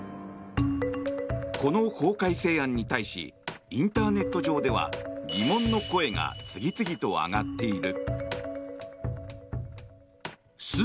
この法改正案に対しインターネット上では疑問の声が次々と上がっている。